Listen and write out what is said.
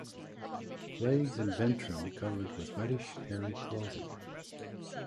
Legs and ventrum covered with reddish hairy clothing.